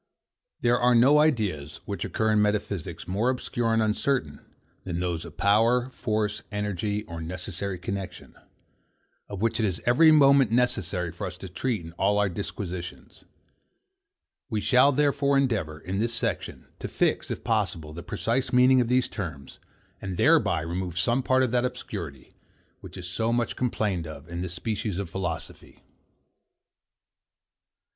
49. There are no ideas, which occur in metaphysics, more obscure and uncertain, than those of power, force, energy or necessary connexion, of which it is every moment necessary for us to treat in all our disquisitions. We shall, therefore, endeavour, in this section, to fix, if possible, the precise meaning of these terms, and thereby remove some part of that obscurity, which is so much complained of in this species of philosophy.